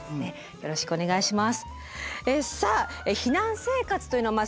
よろしくお願いします。